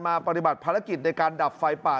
ปฏิบัติภารกิจในการดับไฟป่า